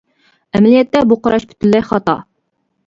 ئەمەلىيەتتە بۇ قاراش پۈتۈنلەي خاتا.